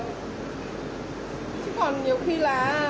chứ còn nhiều khi là